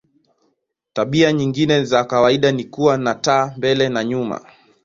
Tabia nyingine za kawaida ni kuwa na taa mbele na nyuma.